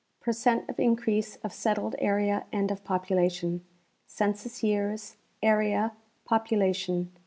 Per cent of Increase of settled Area and of Population. Census years. Area. Population.